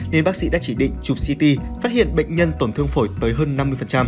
nên bác sĩ đã chỉ định chụp ct phát hiện bệnh nhân tổn thương phổi tới hơn năm mươi